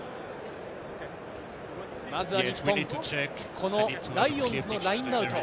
まずは日本、このライオンズのラインアウト。